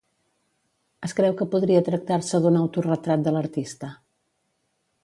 Es creu que podria tractar-se d'un autoretrat de l'artista.